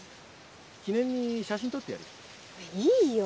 記念に写真撮ってやるよ。